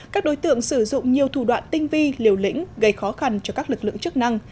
các đối tượng sử dụng nhiều thủ đoạn tinh vi liều lĩnh gây khó khăn cho các lực lượng chức năng